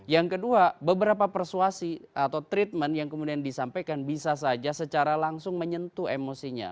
yang kedua beberapa persuasi atau treatment yang kemudian disampaikan bisa saja secara langsung menyentuh emosinya